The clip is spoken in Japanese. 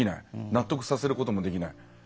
納得させることもできない。